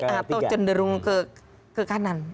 atau cenderung ke kanan